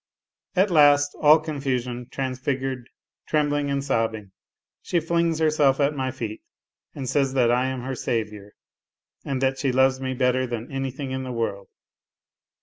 At last all confusion, transfigured, trembling and sobbing, she flings herself at my feet and says that I am her saviour, and that she loves me better than anything in the world.